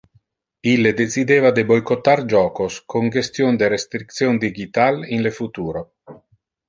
Ille decideva de boycottar jocos con gestion de restriction digital in le futuro.